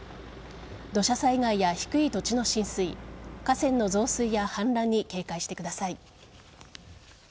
土砂災害や低い土地の浸水河川の増水や氾濫に警戒してください。